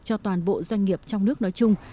cho toàn bộ doanh nghiệp trong nước nói chung